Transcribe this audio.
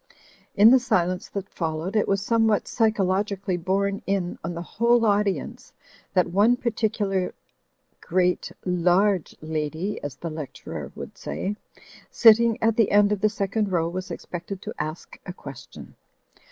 In the silence that followed it was somehow psy chologically borne in on the whole audience that one particular great large lady (as the lecturer would say) sitting at the end of the second row was expected to ask a question.